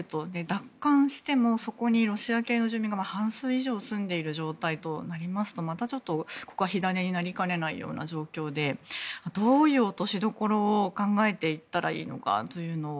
奪還してもそこにロシア系の住民が半数以上住んでいる状態となりますとまたここは火種になりかねない状況でどういう落としどころを考えていったらいいのか。